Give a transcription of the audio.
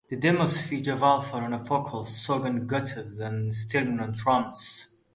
The demos feature Valfar on vocals, Sorg on guitars, and Steingrim on drums.